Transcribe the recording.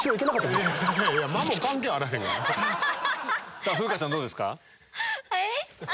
さぁ風花さんどうですか？